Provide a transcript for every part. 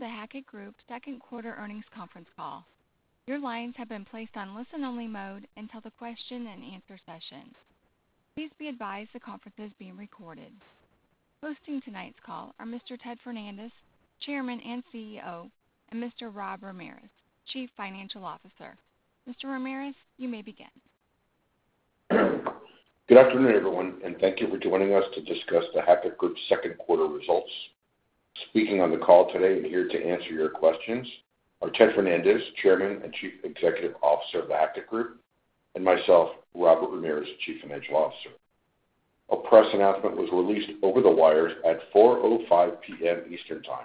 Welcome to The Hackett Group Second Quarter Earnings Conference Call. Your lines have been placed on listen-only mode until the question-and-answer session. Please be advised the conference is being recorded. Hosting tonight's call are Mr. Ted Fernandez, Chairman and Chief Executive Officer, and Mr. Rob Ramirez, Chief Financial Officer. Mr. Ramirez, you may begin. Good afternoon, everyone, and thank you for joining us to discuss The Hackett Group's second quarter results. Speaking on the call today and here to answer your questions are Ted Fernandez, Chairman and Chief Executive Officer of The Hackett Group, and myself, Robert Ramirez, Chief Financial Officer. A press announcement was released over the wires at 4:05 P.M. Eastern Time.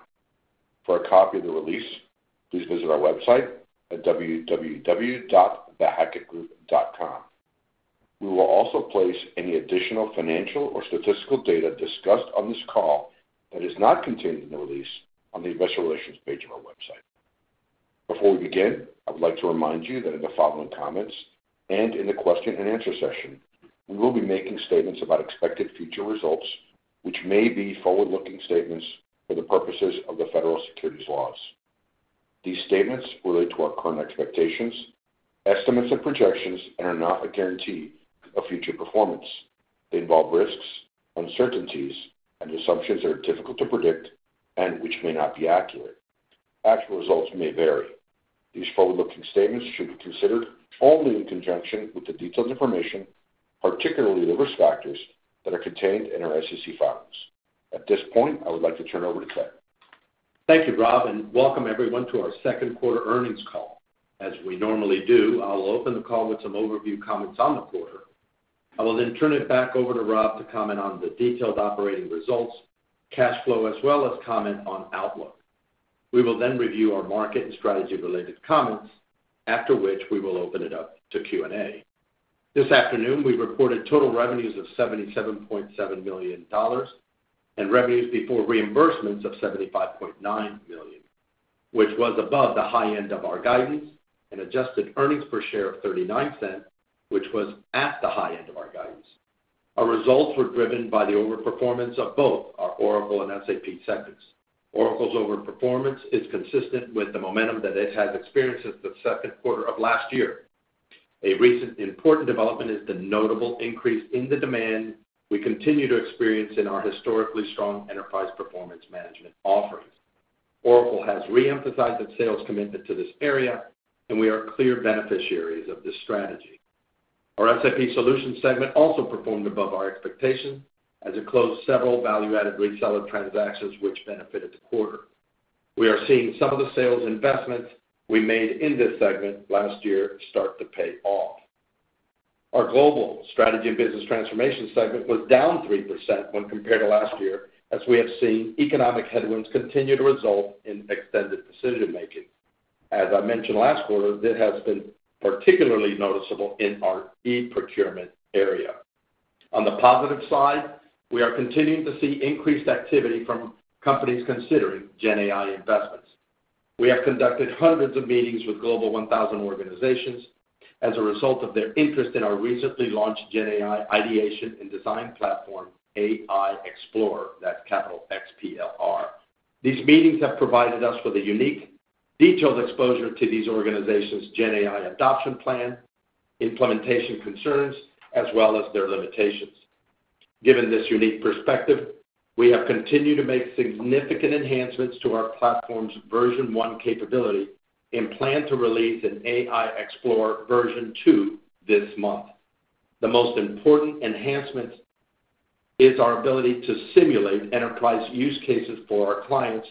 For a copy of the release, please visit our website at www.thehackettgroup.com. We will also place any additional financial or statistical data discussed on this call that is not contained in the release on the Investor Relations page of our website. Before we begin, I would like to remind you that in the following comments and in the question-and-answer session, we will be making statements about expected future results, which may be forward-looking statements for the purposes of the federal securities laws. These statements relate to our current expectations, estimates, and projections and are not a guarantee of future performance. They involve risks, uncertainties, and assumptions that are difficult to predict and which may not be accurate. Actual results may vary. These forward-looking statements should be considered only in conjunction with the detailed information, particularly the risk factors, that are contained in our SEC filings. At this point, I would like to turn over to Ted. Thank you, Rob, and welcome everyone to our second quarter earnings call. As we normally do, I'll open the call with some overview comments on the quarter. I will then turn it back over to Rob to comment on the detailed operating results, cash flow, as well as comment on outlook. We will then review our market and strategy-related comments, after which we will open it up to Q&A. This afternoon, we reported total revenues of $77.7 million and revenues before reimbursements of $75.9 million, which was above the high end of our guidance, and adjusted earnings per share of $0.39, which was at the high end of our guidance. Our results were driven by the overperformance of both our Oracle and SAP segments. Oracle's overperformance is consistent with the momentum that it has experienced since the second quarter of last year. A recent important development is the notable increase in the demand we continue to experience in our historically strong enterprise performance management offerings. Oracle has re-emphasized its sales commitment to this area, and we are clear beneficiaries of this strategy. Our SAP solution segment also performed above our expectations as it closed several value-added reseller transactions, which benefited the quarter. We are seeing some of the sales investments we made in this segment last year start to pay off. Our global strategy and business transformation segment was down 3% when compared to last year, as we have seen economic headwinds continue to result in extended decision-making. As I mentioned last quarter, this has been particularly noticeable in our e-procurement area. On the positive side, we are continuing to see increased activity from companies considering Gen AI investments. We have conducted hundreds of meetings with Global 1000 organizations as a result of their interest in our recently launched Gen AI ideation and design platform, AI XPLR, that's capital X-P-L-R. These meetings have provided us with a unique, detailed exposure to these organizations' Gen AI adoption plan, implementation concerns, as well as their limitations. Given this unique perspective, we have continued to make significant enhancements to our platform's version one capability and plan to release an AI XPLR version two this month. The most important enhancement is our ability to simulate enterprise use cases for our clients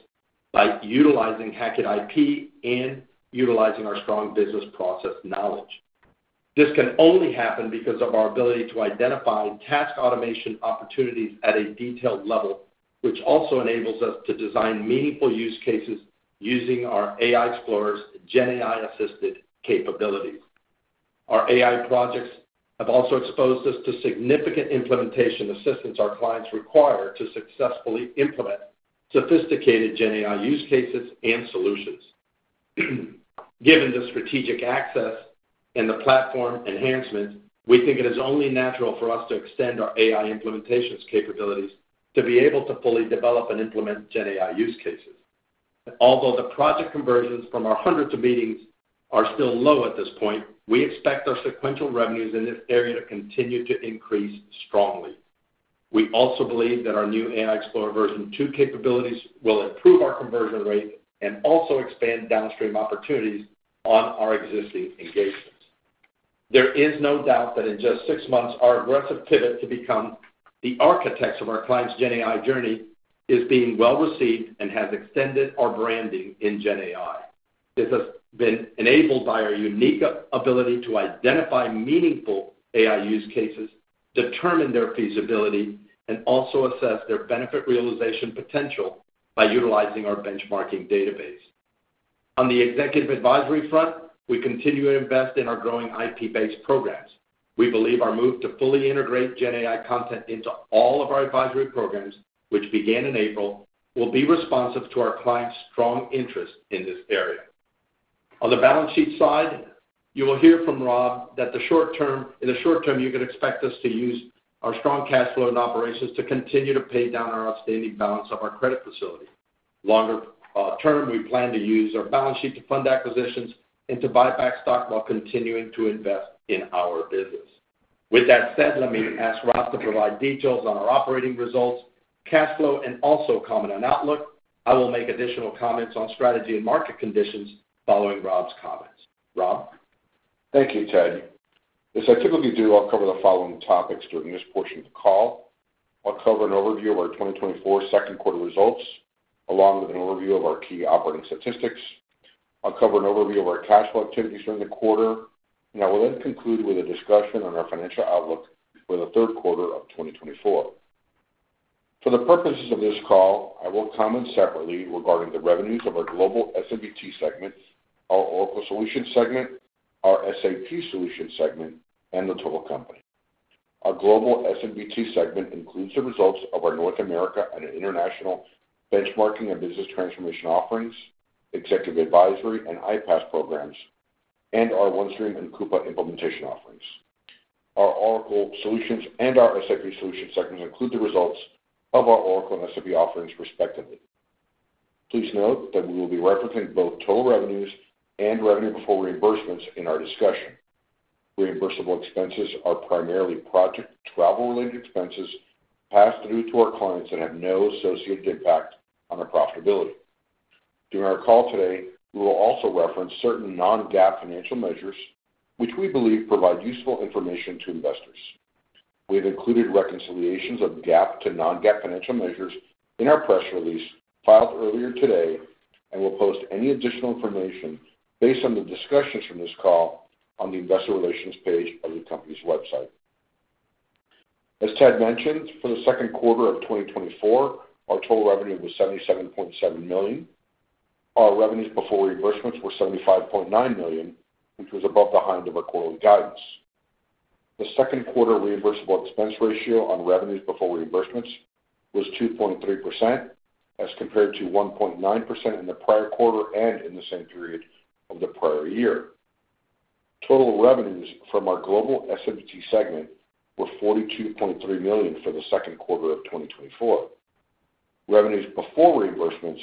by utilizing Hackett IP and utilizing our strong business process knowledge. This can only happen because of our ability to identify task automation opportunities at a detailed level, which also enables us to design meaningful use cases using our AI XPLR's Gen AI-assisted capabilities. Our AI projects have also exposed us to significant implementation assistance our clients require to successfully implement sophisticated Gen AI use cases and solutions. Given the strategic access and the platform enhancements, we think it is only natural for us to extend our AI implementations capabilities to be able to fully develop and implement Gen AI use cases. Although the project conversions from our hundreds of meetings are still low at this point, we expect our sequential revenues in this area to continue to increase strongly. We also believe that our new AI XPLR version two capabilities will improve our conversion rate and also expand downstream opportunities on our existing engagements. There is no doubt that in just six months, our aggressive pivot to become the architects of our clients' Gen AI journey is being well received and has extended our branding in Gen AI. This has been enabled by our unique ability to identify meaningful AI use cases, determine their feasibility, and also assess their benefit realization potential by utilizing our benchmarking database. On the executive advisory front, we continue to invest in our growing IP-based programs. We believe our move to fully integrate Gen AI content into all of our advisory programs, which began in April, will be responsive to our clients' strong interest in this area... On the balance sheet side, you will hear from Rob that the short term—in the short term, you can expect us to use our strong cash flow and operations to continue to pay down our outstanding balance of our credit facility. Longer term, we plan to use our balance sheet to fund acquisitions and to buy back stock while continuing to invest in our business. With that said, let me ask Rob to provide details on our operating results, cash flow, and also comment on outlook. I will make additional comments on strategy and market conditions following Rob's comments. Rob? Thank you, Ted. As I typically do, I'll cover the following topics during this portion of the call. I'll cover an overview of our 2024 second quarter results, along with an overview of our key operating statistics. I'll cover an overview of our cash flow activities during the quarter, and I will then conclude with a discussion on our financial outlook for the third quarter of 2024. For the purposes of this call, I will comment separately regarding the revenues of our Global S&BT segments, our Oracle Solutions segment, our SAP Solutions segment, and the total company. Our Global S&BT segment includes the results of our North America and International Benchmarking and Business Transformation Offerings, Executive Advisory and IPaaS programs, and our OneStream and Coupa Implementation Offerings. Our Oracle Solutions and our SAP Solutions segments include the results of our Oracle and SAP offerings, respectively. Please note that we will be referencing both total revenues and revenue before reimbursements in our discussion. Reimbursable expenses are primarily project travel-related expenses passed through to our clients and have no associated impact on our profitability. During our call today, we will also reference certain non-GAAP financial measures, which we believe provide useful information to investors. We have included reconciliations of GAAP to non-GAAP financial measures in our press release filed earlier today, and we'll post any additional information based on the discussions from this call on the Investor Relations page of the company's website. As Ted mentioned, for the second quarter of 2024, our total revenue was $77.7 million. Our revenues before reimbursements were $75.9 million, which was above the high end of our quarterly guidance. The second quarter reimbursable expense ratio on revenues before reimbursements was 2.3%, as compared to 1.9% in the prior quarter and in the same period of the prior year. Total revenues from our Global S&BT segment were $42.3 million for the second quarter of 2024. Revenues before reimbursements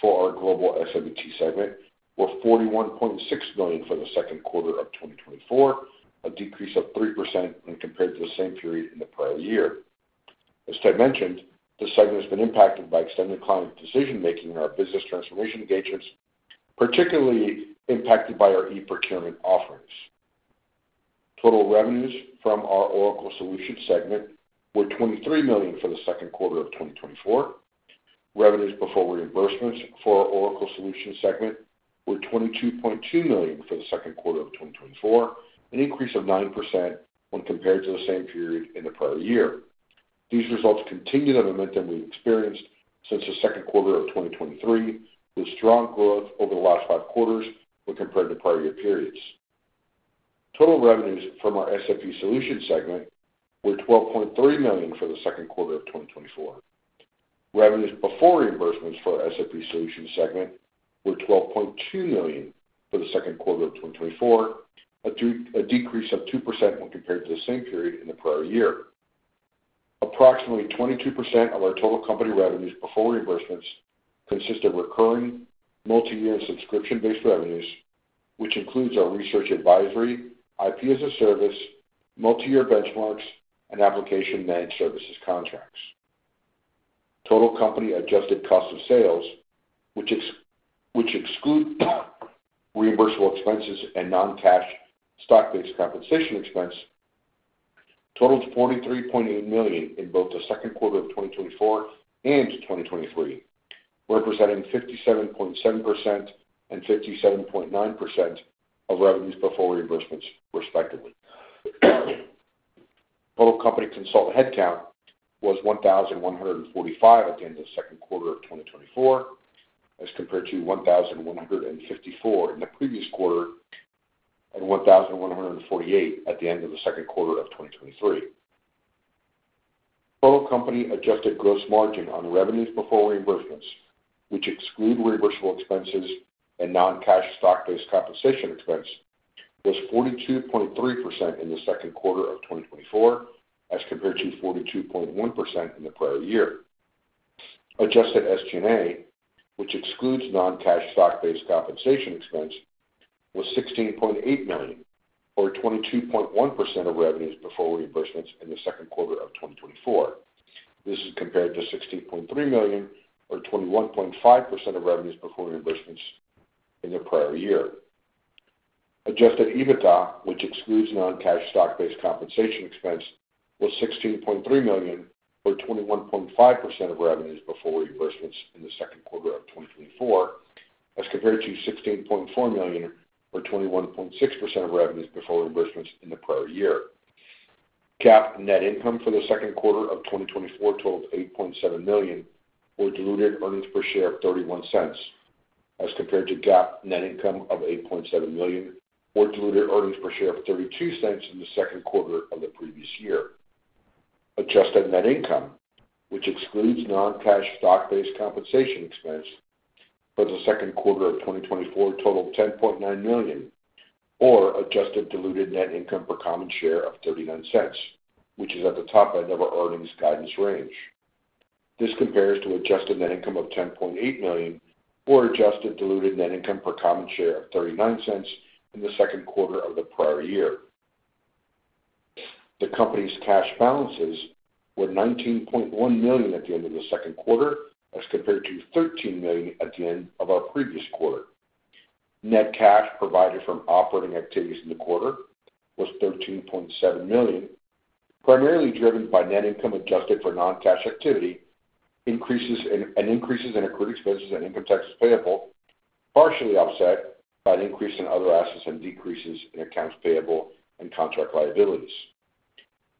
for our Global S&BT segment were $41.6 million for the second quarter of 2024, a decrease of 3% when compared to the same period in the prior year. As Ted mentioned, this segment has been impacted by extended client decision-making in our business transformation engagements, particularly impacted by our e-procurement offerings. Total revenues from our Oracle Solutions segment were $23 million for the second quarter of 2024. Revenues before reimbursements for our Oracle Solutions segment were $22.2 million for the second quarter of 2024, an increase of 9% when compared to the same period in the prior year. These results continue the momentum we've experienced since the second quarter of 2023, with strong growth over the last 5 quarters when compared to prior year periods. Total revenues from our SAP Solutions segment were $12.3 million for the second quarter of 2024. Revenues before reimbursements for our SAP Solutions segment were $12.2 million for the second quarter of 2024, a decrease of 2% when compared to the same period in the prior year. Approximately 22% of our total company revenues before reimbursements consist of recurring, multi-year, subscription-based revenues, which includes our research advisory, IP-as-a-Service, multi-year benchmarks, and application managed services contracts. Total company adjusted cost of sales, which exclude reimbursable expenses and non-cash stock-based compensation expense, totaled $43.8 million in both the second quarter of 2024 and 2023, representing 57.7% and 57.9% of revenues before reimbursements, respectively. Total company consultant headcount was 1,145 at the end of the second quarter of 2024, as compared to 1,154 in the previous quarter and 1,148 at the end of the second quarter of 2023. Total company adjusted gross margin on revenues before reimbursements, which exclude reimbursable expenses and non-cash stock-based compensation expense, was 42.3% in the second quarter of 2024, as compared to 42.1% in the prior year. Adjusted SG&A, which excludes non-cash stock-based compensation expense, was $16.8 million, or 22.1% of revenues before reimbursements in the second quarter of 2024. This is compared to $16.3 million, or 21.5% of revenues before reimbursements in the prior year. Adjusted EBITDA, which excludes non-cash stock-based compensation expense, was $16.3 million, or 21.5% of revenues before reimbursements in the second quarter of 2024, as compared to $16.4 million, or 21.6% of revenues before reimbursements in the prior year. GAAP net income for the second quarter of 2024 totaled $8.7 million, or diluted earnings per share of $0.31, as compared to GAAP net income of $8.7 million, or diluted earnings per share of $0.32 in the second quarter of the previous year. Adjusted net income, which excludes non-cash stock-based compensation expense for the second quarter of 2024 totaled $10.9 million, or adjusted diluted net income per common share of $0.39, which is at the top end of our earnings guidance range. This compares to adjusted net income of $10.8 million, or adjusted diluted net income per common share of $0.39 in the second quarter of the prior year. The company's cash balances were $19.1 million at the end of the second quarter, as compared to $13 million at the end of our previous quarter. Net cash provided from operating activities in the quarter was $13.7 million, primarily driven by net income adjusted for non-cash activity, increases in accrued expenses and income taxes payable, partially offset by an increase in other assets and decreases in accounts payable and contract liabilities.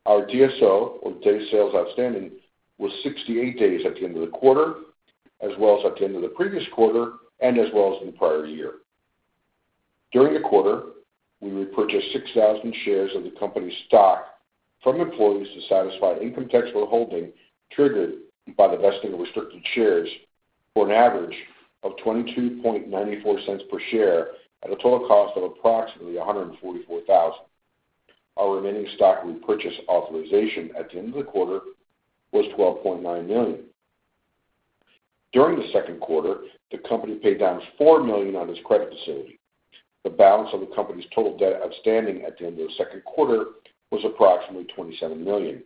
Our DSO, or Days Sales Outstanding, was 68 days at the end of the quarter, as well as at the end of the previous quarter, and as well as in the prior year. During the quarter, we repurchased 6,000 shares of the company's stock from employees to satisfy income tax withholding, triggered by the vesting of restricted shares for an average of $0.2294 per share, at a total cost of approximately $144,000. Our remaining stock repurchase authorization at the end of the quarter was $12.9 million. During the second quarter, the company paid down $4 million on its credit facility. The balance of the company's total debt outstanding at the end of the second quarter was approximately $27 million.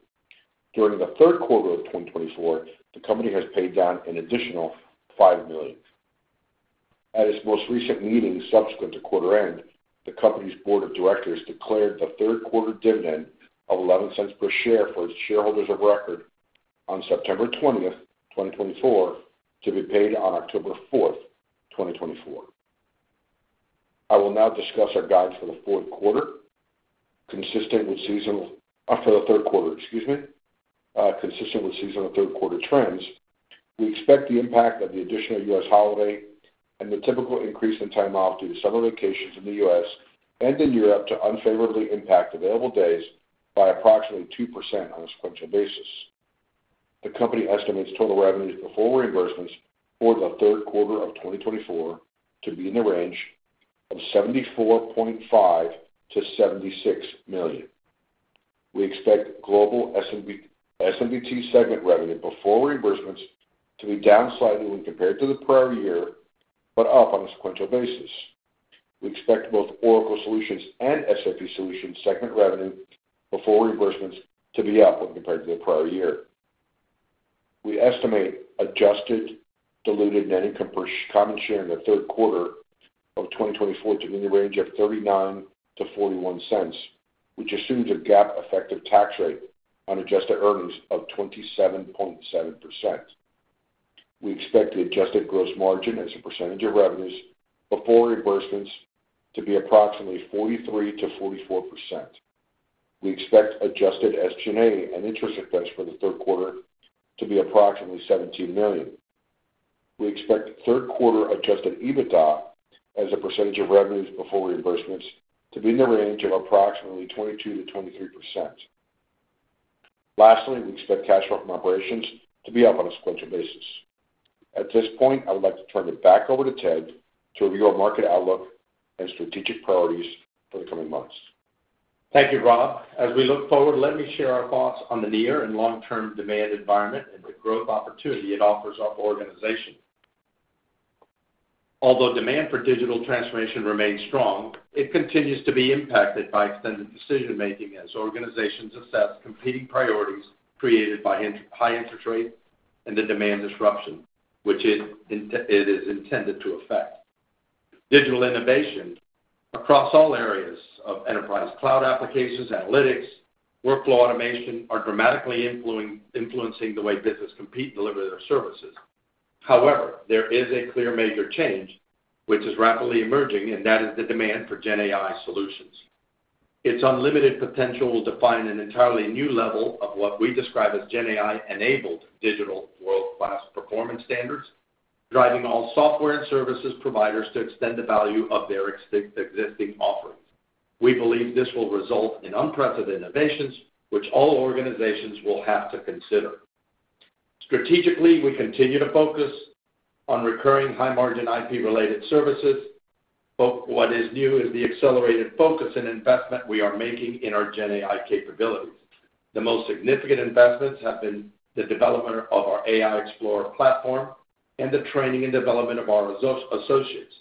During the third quarter of 2024, the company has paid down an additional $5 million. At its most recent meeting, subsequent to quarter end, the company's board of directors declared the third quarter dividend of $0.11 per share for its shareholders of record on September 20, 2024, to be paid on October 4, 2024. I will now discuss our guide for the fourth quarter, consistent with seasonal—for the third quarter, excuse me. Consistent with seasonal third quarter trends, we expect the impact of the additional US holiday and the typical increase in time off due to summer vacations in the U.S. and in Europe to unfavorably impact available days by approximately 2% on a sequential basis. The company estimates total revenues before reimbursements for the third quarter of 2024 to be in the range of $74.5 million-$76 million. We expect Global S&BT segment revenue before reimbursements to be down slightly when compared to the prior year, but up on a sequential basis. We expect both Oracle Solutions and SAP Solutions segment revenue before reimbursements to be up when compared to the prior year. We estimate adjusted diluted net income per common share in the third quarter of 2024 to be in the range of $0.39-$0.41, which assumes a GAAP effective tax rate on adjusted earnings of 27.7%. We expect the adjusted gross margin as a percentage of revenues before reimbursements to be approximately 43%-44%. We expect adjusted SG&A and interest expense for the third quarter to be approximately $17 million. We expect third quarter adjusted EBITDA as a percentage of revenues before reimbursements to be in the range of approximately 22%-23%. Lastly, we expect cash flow from operations to be up on a sequential basis. At this point, I would like to turn it back over to Ted to review our market outlook and strategic priorities for the coming months. Thank you, Rob. As we look forward, let me share our thoughts on the near and long-term demand environment and the growth opportunity it offers our organization. Although demand for digital transformation remains strong, it continues to be impacted by extended decision-making as organizations assess competing priorities created by in the high interest rates and the demand disruption, which it is intended to affect. Digital innovation across all areas of enterprise, cloud applications, analytics, workflow automation, are dramatically influencing the way business compete and deliver their services. However, there is a clear major change, which is rapidly emerging, and that is the demand for Gen AI solutions. Its unlimited potential will define an entirely new level of what we describe as Gen AI-enabled digital world-class performance standards, driving all software and services providers to extend the value of their existing offerings. We believe this will result in unprecedented innovations, which all organizations will have to consider. Strategically, we continue to focus on recurring high-margin IP-related services, but what is new is the accelerated focus and investment we are making in our Gen AI capabilities. The most significant investments have been the development of our AI XPLR platform and the training and development of our associates.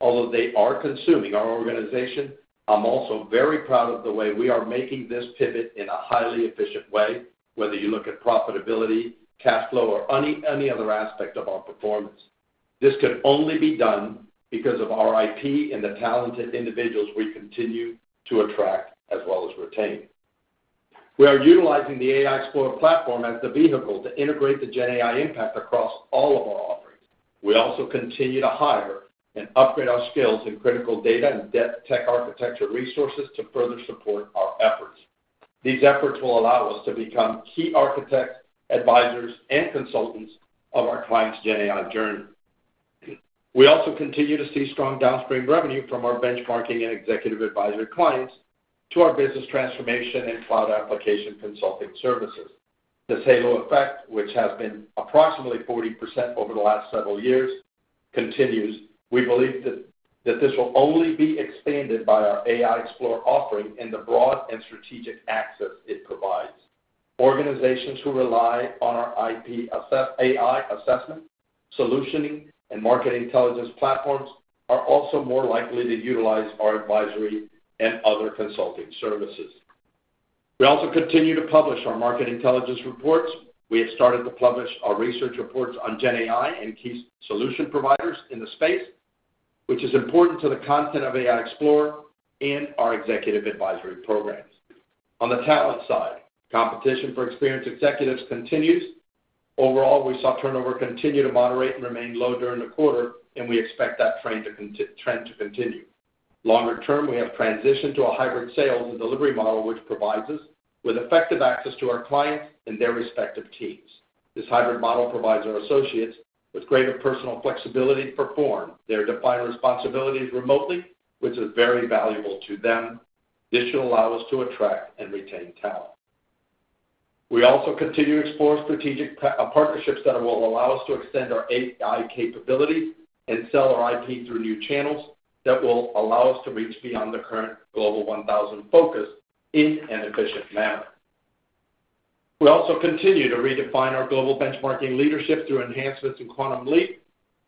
Although they are consuming our organization, I'm also very proud of the way we are making this pivot in a highly efficient way, whether you look at profitability, cash flow, or any, any other aspect of our performance. This could only be done because of our IP and the talented individuals we continue to attract as well as retain. We are utilizing the AI XPLR platform as the vehicle to integrate the Gen AI impact across all of our offerings. We also continue to hire and upgrade our skills in critical data and tech architecture resources to further support our efforts. These efforts will allow us to become key architects, advisors, and consultants of our clients' Gen AI journey. We also continue to see strong downstream revenue from our benchmarking and executive advisory clients to our business transformation and cloud application consulting services. The halo effect, which has been approximately 40% over the last several years, continues. We believe that, that this will only be expanded by our AI XPLR offering and the broad and strategic access it provides. Organizations who rely on our IP assess-- AI assessment, solutioning, and market intelligence platforms are also more likely to utilize our advisory and other consulting services. We also continue to publish our market intelligence reports. We have started to publish our research reports on Gen AI and key solution providers in the space, which is important to the content of AI XPLR and our executive advisory programs. On the talent side, competition for experienced executives continues. Overall, we saw turnover continue to moderate and remain low during the quarter, and we expect that trend to continue. Longer term, we have transitioned to a hybrid sales and delivery model, which provides us with effective access to our clients and their respective teams. This hybrid model provides our associates with greater personal flexibility to perform their defined responsibilities remotely, which is very valuable to them. This should allow us to attract and retain talent. We also continue to explore strategic partnerships that will allow us to extend our AI capabilities and sell our IP through new channels that will allow us to reach beyond the current Global 1000 focus in an efficient manner. We also continue to redefine our global benchmarking leadership through enhancements in Quantum Leap,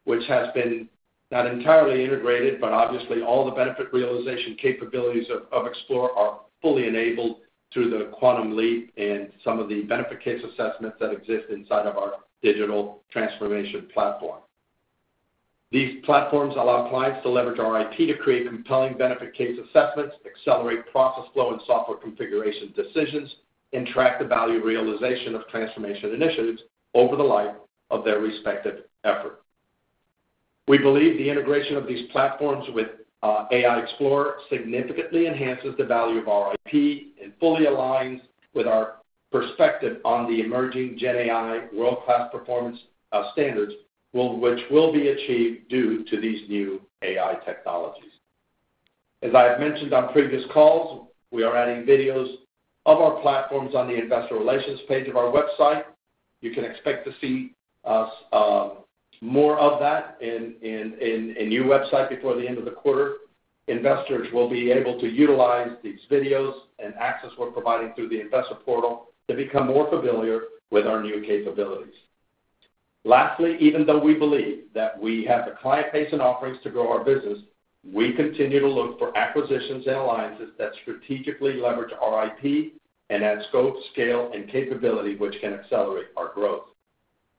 which has been not entirely integrated, but obviously all the benefit realization capabilities of XPLR are fully enabled through the Quantum Leap and some of the benefit case assessments that exist inside of our digital transformation platform. These platforms allow clients to leverage our IP to create compelling benefit case assessments, accelerate process flow and software configuration decisions, and track the value realization of transformation initiatives over the life of their respective effort. We believe the integration of these platforms with AI XPLR significantly enhances the value of our IP and fully aligns with our perspective on the emerging Gen AI world-class performance standards, which will be achieved due to these new AI technologies. As I have mentioned on previous calls, we are adding videos of our platforms on the investor relations page of our website. You can expect to see more of that in a new website before the end of the quarter. Investors will be able to utilize these videos and access we're providing through the investor portal to become more familiar with our new capabilities. Lastly, even though we believe that we have the client base and offerings to grow our business, we continue to look for acquisitions and alliances that strategically leverage our IP and add scope, scale, and capability, which can accelerate our growth.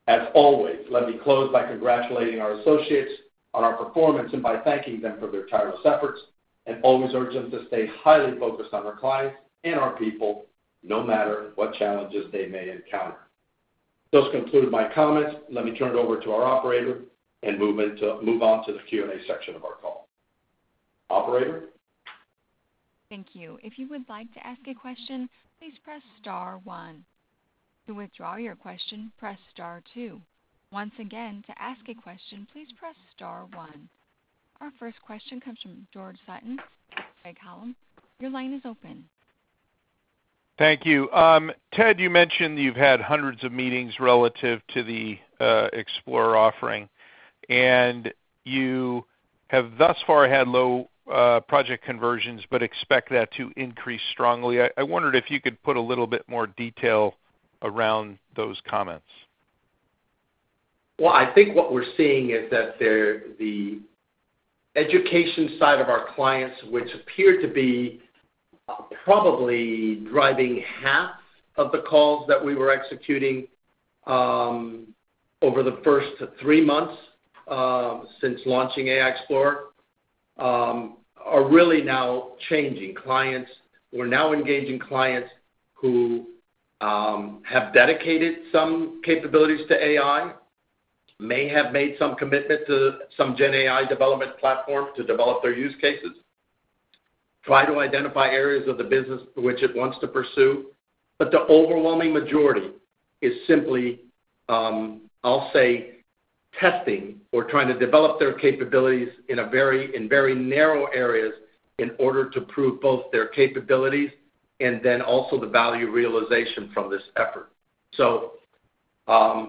As always, let me close by congratulating our associates on our performance and by thanking them for their tireless efforts, and always urge them to stay highly focused on our clients and our people, no matter what challenges they may encounter. Those conclude my comments. Let me turn it over to our operator and move on to the Q&A section of our call. Operator? Thank you. If you would like to ask a question, please press star one. To withdraw your question, press star two. Once again, to ask a question, please press star one. Our first question comes from George Sutton, Craig-Hallum. Your line is open. Thank you. Ted, you mentioned you've had hundreds of meetings relative to the Explorer offering, and you have thus far had low project conversions, but expect that to increase strongly. I wondered if you could put a little bit more detail around those comments. Well, I think what we're seeing is that there, the education side of our clients, which appeared to be probably driving half of the calls that we were executing over the first three months since launching AI XPLR, are really now changing. We're now engaging clients who have dedicated some capabilities to AI, may have made some commitment to some Gen AI development platform to develop their use cases, try to identify areas of the business which it wants to pursue. But the overwhelming majority is simply, I'll say, testing or trying to develop their capabilities in very narrow areas in order to prove both their capabilities and then also the value realization from this effort. So,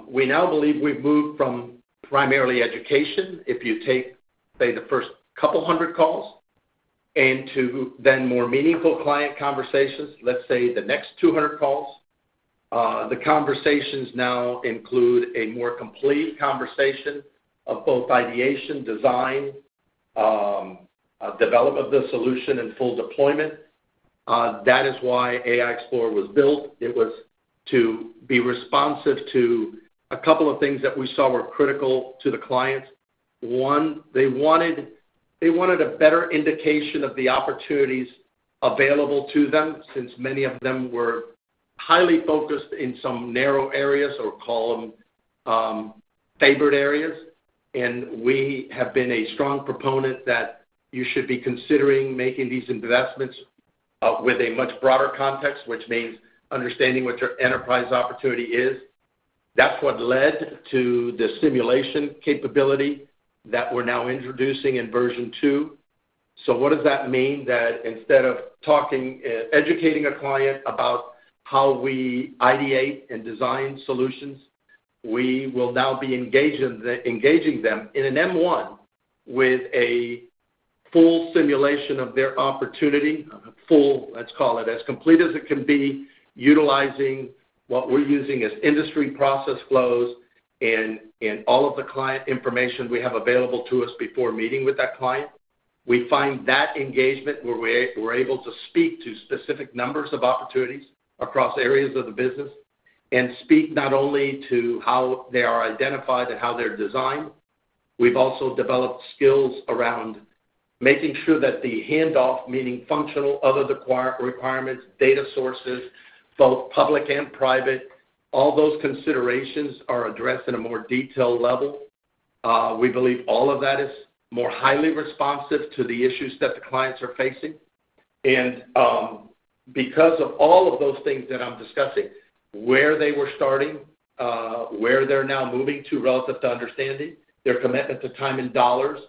we now believe we've moved from primarily education, if you take, say, the first 200 calls, and to then more meaningful client conversations, let's say, the next 200 calls. The conversations now include a more complete conversation of both ideation, design, development of the solution, and full deployment. That is why AI XPLR was built. It was to be responsive to a couple of things that we saw were critical to the clients. One, they wanted, they wanted a better indication of the opportunities available to them, since many of them were highly focused in some narrow areas, or call them favored areas. And we have been a strong proponent that you should be considering making these investments with a much broader context, which means understanding what your enterprise opportunity is. That's what led to the simulation capability that we're now introducing in version two. So what does that mean? That instead of talking, educating a client about how we ideate and design solutions, we will now be engaging them in an M1 with a full simulation of their opportunity, a full, let's call it, as complete as it can be, utilizing what we're using as industry process flows and all of the client information we have available to us before meeting with that client. We find that engagement, where we're able to speak to specific numbers of opportunities across areas of the business, and speak not only to how they are identified and how they're designed. We've also developed skills around making sure that the handoff, meaning functional, other requirements, data sources, both public and private, all those considerations are addressed in a more detailed level. We believe all of that is more highly responsive to the issues that the clients are facing. Because of all of those things that I'm discussing, where they were starting, where they're now moving to relative to understanding, their commitment to time and dollars,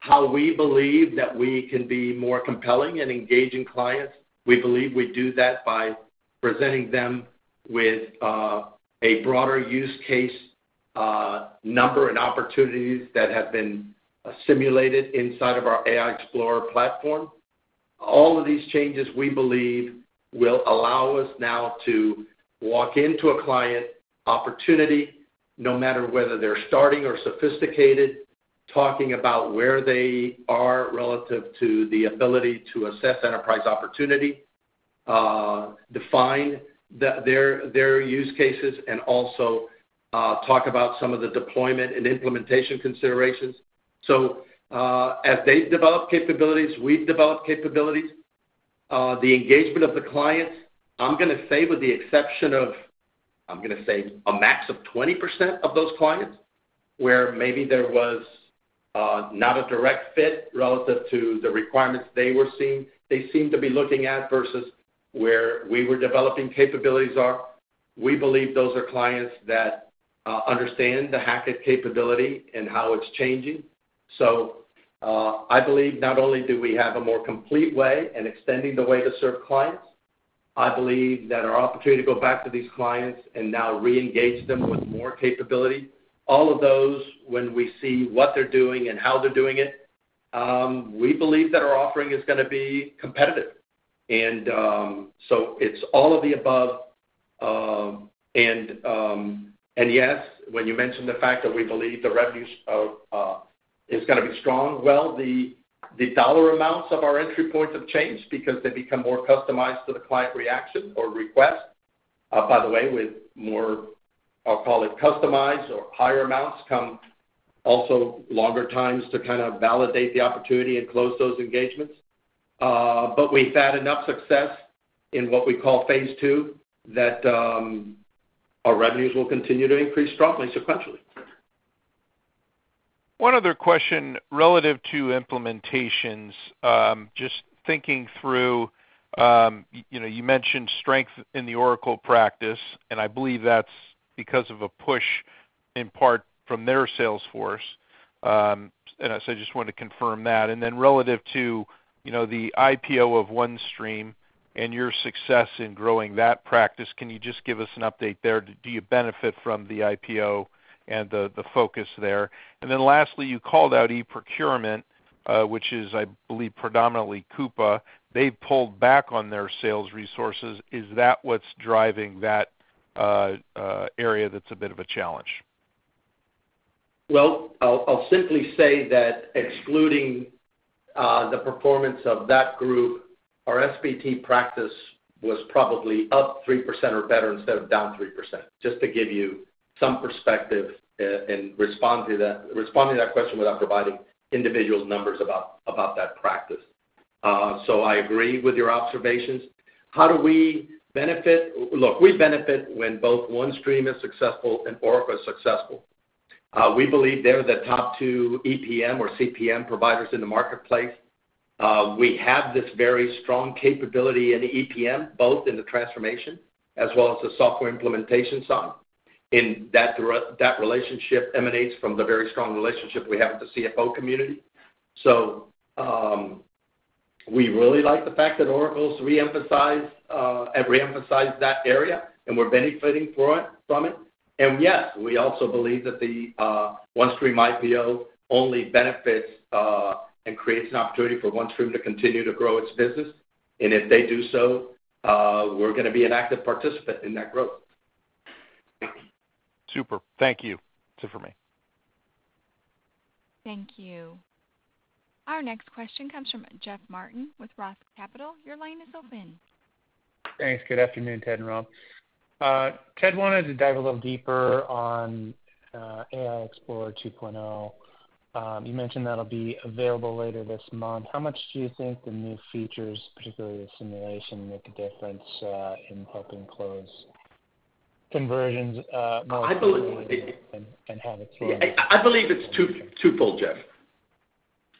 how we believe that we can be more compelling in engaging clients. We believe we do that by presenting them with a broader use case, number and opportunities that have been simulated inside of our AI XPLR platform. All of these changes, we believe, will allow us now to walk into a client opportunity, no matter whether they're starting or sophisticated, talking about where they are relative to the ability to assess enterprise opportunity, define their use cases, and also talk about some of the deployment and implementation considerations. So, as they've developed capabilities, we've developed capabilities. The engagement of the clients, I'm gonna say with the exception of, I'm gonna say, a max of 20% of those clients, where maybe there was not a direct fit relative to the requirements they were seeing, they seemed to be looking at, versus where we were developing capabilities are, we believe those are clients that understand the Hackett capability and how it's changing. So, I believe not only do we have a more complete way in extending the way to serve clients. I believe that our opportunity to go back to these clients and now reengage them with more capability, all of those, when we see what they're doing and how they're doing it, we believe that our offering is gonna be competitive. And yes, when you mention the fact that we believe the revenues of is gonna be strong, well, the dollar amounts of our entry points have changed because they become more customized to the client reaction or request. By the way, with more, I'll call it, customized or higher amounts come also longer times to kind of validate the opportunity and close those engagements. But we've had enough success in what we call phase two, that our revenues will continue to increase strongly sequentially. One other question relative to implementations. Just thinking through, you know, you mentioned strength in the Oracle practice, and I believe that's because of a push, in part, from their sales force. And so I just wanted to confirm that. And then relative to, you know, the IPO of OneStream and your success in growing that practice, can you just give us an update there? Do you benefit from the IPO and the focus there? And then lastly, you called out e-procurement, which is, I believe, predominantly Coupa. They've pulled back on their sales resources. Is that what's driving that, area that's a bit of a challenge? Well, I'll simply say that excluding the performance of that group, our SPT practice was probably up 3% or better instead of down 3%, just to give you some perspective, and respond to that question without providing individual numbers about that practice. So I agree with your observations. How do we benefit? Look, we benefit when both OneStream is successful and Oracle is successful. We believe they're the top two EPM or CPM providers in the marketplace. We have this very strong capability in EPM, both in the transformation as well as the software implementation side. And that relationship emanates from the very strong relationship we have with the CFO community. So, we really like the fact that Oracle's reemphasized have reemphasized that area, and we're benefiting from it, from it. Yes, we also believe that the OneStream IPO only benefits and creates an opportunity for OneStream to continue to grow its business. If they do so, we're gonna be an active participant in that growth. Super. Thank you. That's it for me. Thank you. Our next question comes from Jeff Martin with Roth Capital. Your line is open. Thanks. Good afternoon, Ted and Rob. Ted, wanted to dive a little deeper on AI XPLR 2.0. You mentioned that'll be available later this month. How much do you think the new features, particularly the simulation, make a difference in helping close conversions? I believe- and have it sort of- I believe it's twofold, Jeff.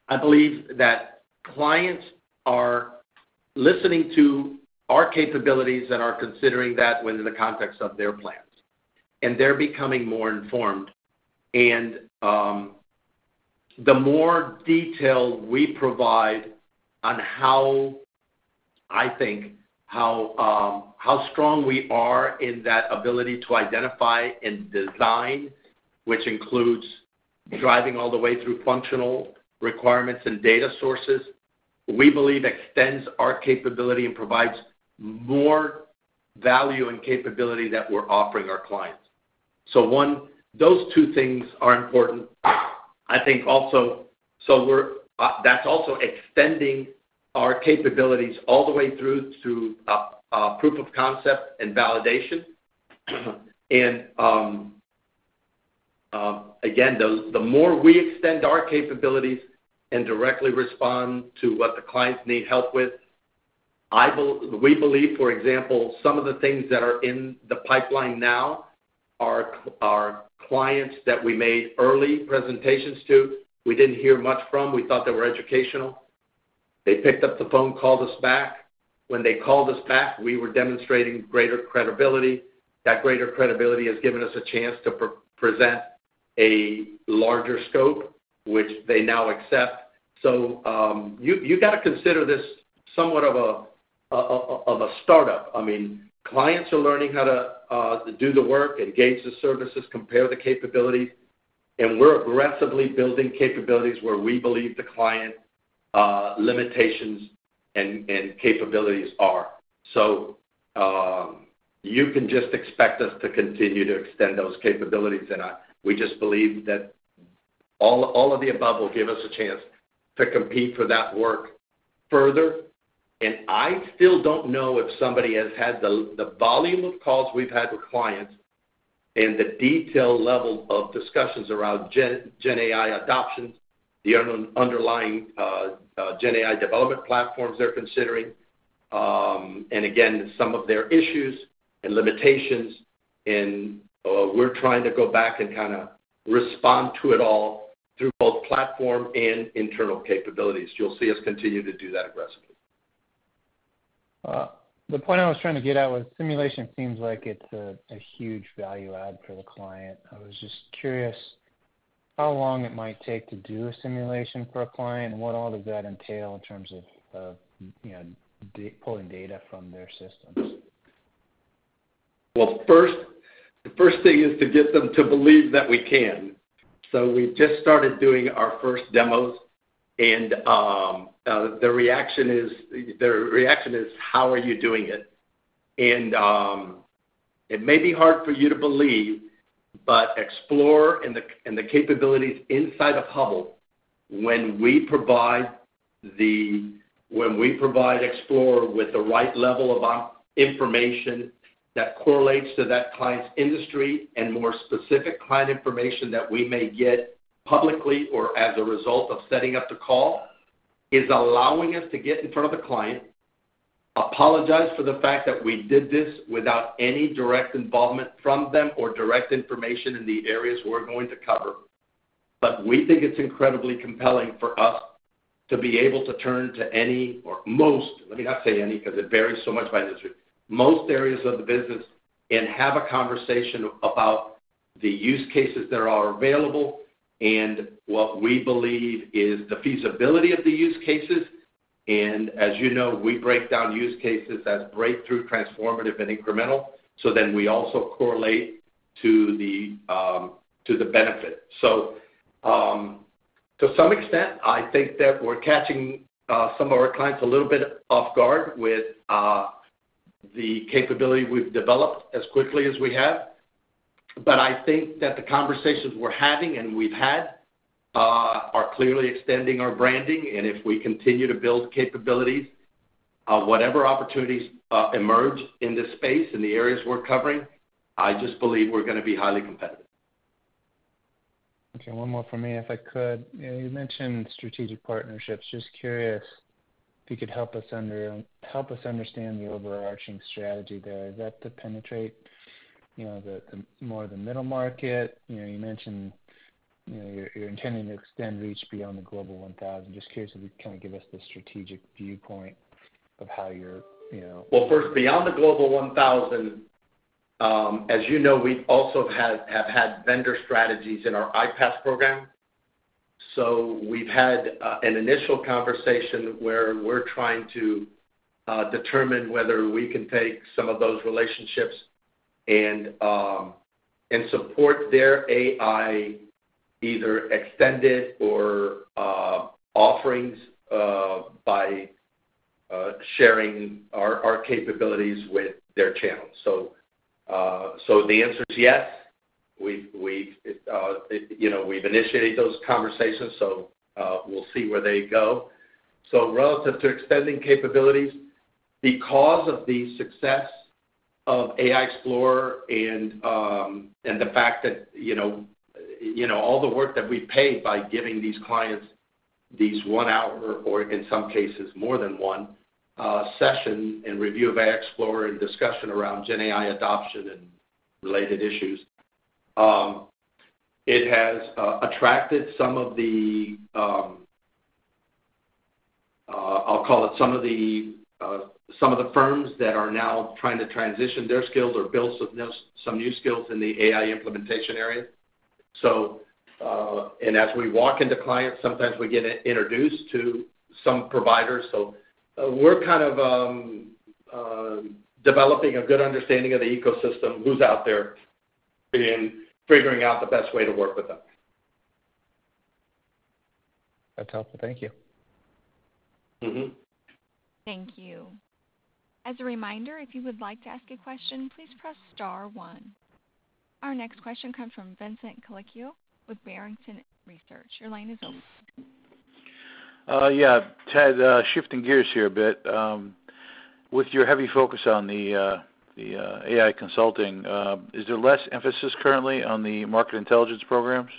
I believe that clients are listening to our capabilities and are considering that within the context of their plans, and they're becoming more informed. And, the more detail we provide on how, I think, how, how strong we are in that ability to identify and design, which includes driving all the way through functional requirements and data sources, we believe extends our capability and provides more value and capability that we're offering our clients. So one, those two things are important. I think also, so we're—that's also extending our capabilities all the way through to, a proof of concept and validation. Again, the more we extend our capabilities and directly respond to what the clients need help with, we believe, for example, some of the things that are in the pipeline now are clients that we made early presentations to, we didn't hear much from. We thought they were educational. They picked up the phone, called us back. When they called us back, we were demonstrating greater credibility. That greater credibility has given us a chance to present a larger scope, which they now accept. So, you gotta consider this somewhat of a startup. I mean, clients are learning how to do the work, engage the services, compare the capabilities, and we're aggressively building capabilities where we believe the client limitations and capabilities are. So, you can just expect us to continue to extend those capabilities, and we just believe that all, all of the above will give us a chance to compete for that work further. And I still don't know if somebody has had the, the volume of calls we've had with clients and the detail level of discussions around Gen AI adoptions, the underlying Gen AI development platforms they're considering, and again, some of their issues and limitations, and we're trying to go back and kinda respond to it all through both platform and internal capabilities. You'll see us continue to do that aggressively. The point I was trying to get at was simulation seems like it's a huge value add for the client. I was just curious how long it might take to do a simulation for a client, and what all does that entail in terms of, you know, pulling data from their systems? Well, first, the first thing is to get them to believe that we can. So we just started doing our first demos, and, the reaction is, their reaction is: How are you doing it? And, it may be hard for you to believe, but Explorer and the capabilities inside of Hubble, when we provide, when we provide Explorer with the right level of our information that correlates to that client's industry and more specific client information that we may get publicly or as a result of setting up the call, is allowing us to get in front of a client, apologize for the fact that we did this without any direct involvement from them or direct information in the areas we're going to cover. But we think it's incredibly compelling for us to be able to turn to any or most, let me not say any, 'cause it varies so much by industry, most areas of the business and have a conversation about the use cases that are available and what we believe is the feasibility of the use cases. And as you know, we break down use cases as breakthrough, transformative, and incremental, so then we also correlate to the benefit. So, to some extent, I think that we're catching some of our clients a little bit off guard with the capability we've developed as quickly as we have. But I think that the conversations we're having and we've had are clearly extending our branding, and if we continue to build capabilities, whatever opportunities emerge in this space, in the areas we're covering, I just believe we're gonna be highly competitive. Okay, one more from me, if I could. You know, you mentioned strategic partnerships. Just curious if you could help us understand the overarching strategy there. Is that to penetrate, you know, the, the more the middle market? You know, you mentioned, you know, you're, you're intending to extend reach beyond the Global 1,000. Just curious if you kind of give us the strategic viewpoint of how you're, you know- Well, first, beyond the Global 1000, as you know, we also have had vendor strategies in our IPaaS program. So we've had an initial conversation where we're trying to determine whether we can take some of those relationships and support their AI, either extended or offerings, by sharing our capabilities with their channels. So, so the answer is yes. We've you know, we've initiated those conversations, so we'll see where they go. So relative to extending capabilities, because of the success of AI XPLR and the fact that, you know, you know, all the work that we've paid by giving these clients these one hour, or in some cases, more than one session and review of AI XPLR and discussion around Gen AI adoption and related issues. It has attracted some of the, I'll call it some of the, firms that are now trying to transition their skills or build some new skills in the AI implementation area. So, as we walk into clients, sometimes we get introduced to some providers. So we're kind of developing a good understanding of the ecosystem, who's out there, and figuring out the best way to work with them. That's helpful. Thank you. Mm-hmm. Thank you. As a reminder, if you would like to ask a question, please press star one. Our next question comes from Vincent Colicchio with Barrington Research. Your line is open. Yeah, Ted, shifting gears here a bit. With your heavy focus on the AI consulting, is there less emphasis currently on the market intelligence programs?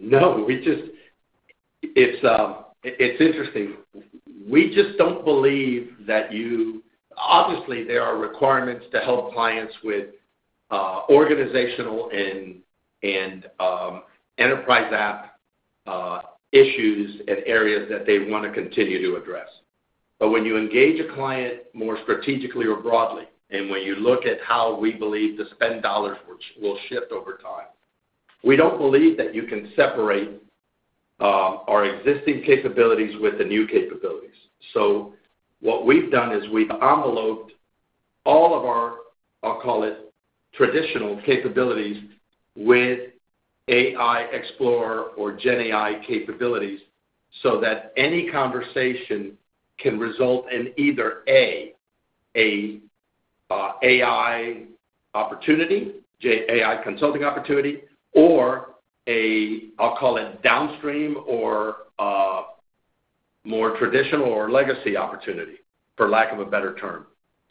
No, we just-- It's, it's interesting. We just don't believe that you-- Obviously, there are requirements to help clients with organizational and enterprise app issues and areas that they wanna continue to address. But when you engage a client more strategically or broadly, and when you look at how we believe the spend dollars will shift over time, we don't believe that you can separate our existing capabilities with the new capabilities. So what we've done is we've enveloped all of our, I'll call it, traditional capabilities with AI XPLR or Gen AI capabilities, so that any conversation can result in either, A, a AI opportunity, Gen AI consulting opportunity, or a, I'll call it, downstream or more traditional or legacy opportunity, for lack of a better term.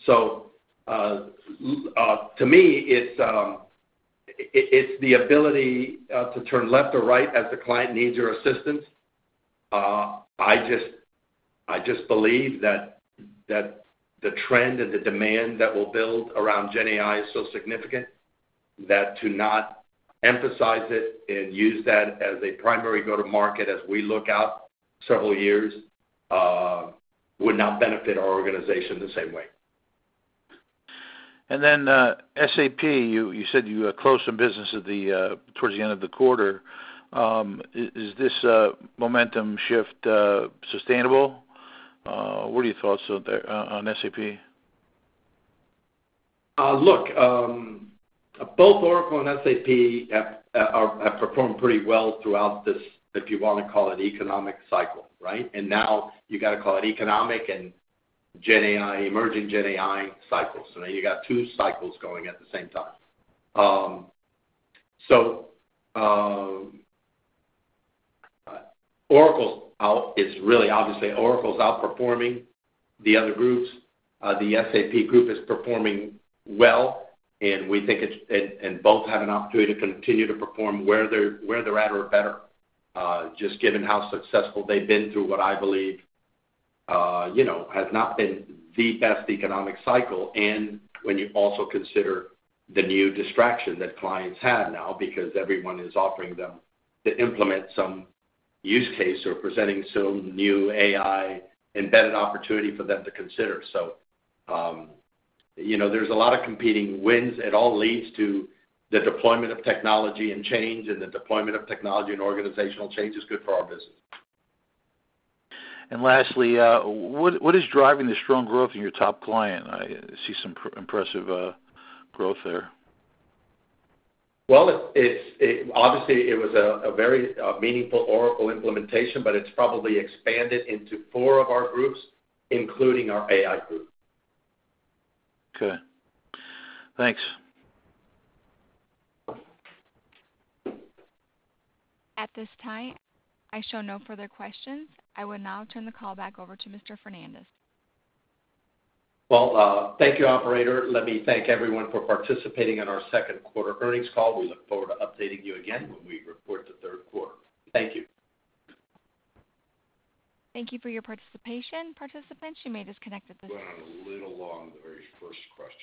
To me, it's the ability to turn left or right as the client needs your assistance. I just believe that the trend and the demand that will build around Gen AI is so significant, that to not emphasize it and use that as a primary go-to-market as we look out several years, would not benefit our organization the same way. Then, SAP, you said you closed some business towards the end of the quarter. Is this momentum shift sustainable? What are your thoughts on there, on SAP? Look, both Oracle and SAP have performed pretty well throughout this, if you wanna call it economic cycle, right? And now you gotta call it economic and Gen AI, emerging Gen AI cycles. So now you got two cycles going at the same time. So, Oracle's out. It's really, obviously, Oracle's outperforming the other groups. The SAP group is performing well, and we think it's. And both have an opportunity to continue to perform where they're at or better, just given how successful they've been through what I believe, you know, has not been the best economic cycle. And when you also consider the new distraction that clients have now, because everyone is offering them to implement some use case or presenting some new AI embedded opportunity for them to consider. You know, there's a lot of competing wins. It all leads to the deployment of technology and change, and the deployment of technology and organizational change is good for our business. And lastly, what is driving the strong growth in your top client? I see some impressive growth there. Well, obviously, it was a very meaningful Oracle implementation, but it's probably expanded into four of our groups, including our AI group. Okay. Thanks. At this time, I show no further questions. I will now turn the call back over to Mr. Fernandez. Well, thank you, operator. Let me thank everyone for participating in our second quarter earnings call. We look forward to updating you again when we report the third quarter. Thank you. Thank you for your participation, participants. You may disconnect at this- Went on a little long, the very first question.